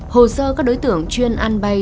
hồ sơ các đối tượng chuyên ăn bay